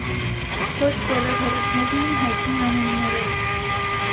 Ոչ բոլոր հերոսներն էին հայտնի անուններով։